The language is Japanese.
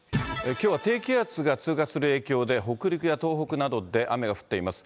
きょうは低気圧が通過する影響で、北陸や東北などで雨が降っています。